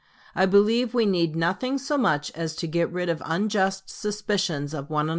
I believe we need nothing so much as to get rid of unjust suspicions of one another."